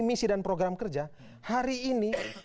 misi dan program kerja hari ini